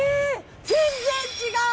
全然違う！